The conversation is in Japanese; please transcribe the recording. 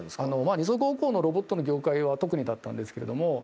二足歩行ロボットの業界は特にだったんですけれど。